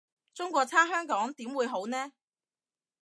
中國差香港點會好呢？